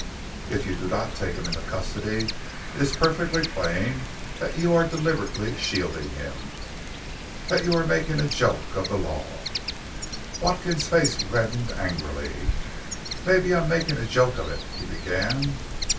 If you do not take him into custody, it is perfectly plain that you are deliberately shielding him that you are making a joke of the law." Watkins's face reddened angrily. "Mebbe I'm makin' a joke of it " he began.